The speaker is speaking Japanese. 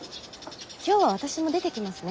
今日は私も出てきますね。